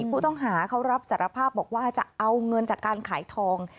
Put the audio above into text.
ผู้ต้องหาเขารับสารภาพบอกว่าจะเอาเงินจากการขายทอง